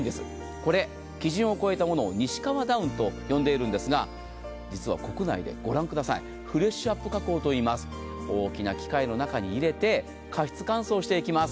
これ、基準を超えたものを西川ダウンと呼んでいるんですが実は国内でフレッシュアップ加工といいます、大きな機械の中に入れて加湿乾燥していきます。